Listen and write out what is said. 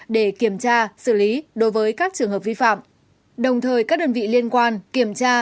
để kiểm tra xử lý đối với các trường hợp vi phạm đồng thời các đơn vị liên quan kiểm tra